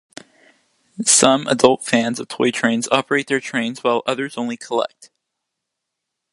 Some adult fans of toy trains operate their trains, while others only collect.